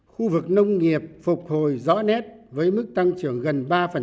khu vực nông nghiệp phục hồi rõ nét với mức tăng trưởng gần ba